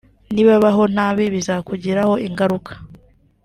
nibabaho nabi bizakugiraho ingaruka